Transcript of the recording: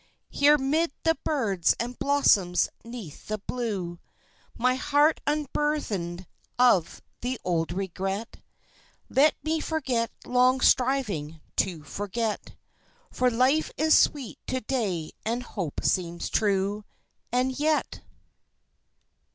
Here 'mid the birds and blossoms 'neath the blue My heart unburthened of the old regret Let me forget long striving to forget; For life is sweet to day and hope seems true And yet...